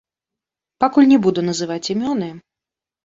Пакуль не буду называць імёны.